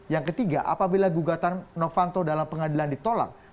yang ketiga apabila gugatan novanto dalam pengadilan ditolak